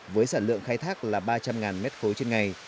với sản lượng khai thác là ba trăm linh m ba trên ngày